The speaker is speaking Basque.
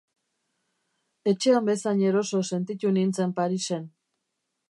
Etxean bezain eroso sentitu nintzen Parisen.